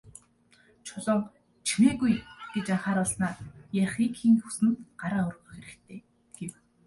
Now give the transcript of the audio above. Чулуун «Чимээгүй» гэж анхааруулснаа "Ярихыг хэн хүснэ, гараа өргөх хэрэгтэй" гэв.